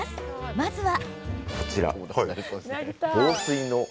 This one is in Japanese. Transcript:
まずは。